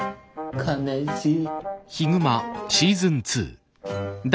悲しい。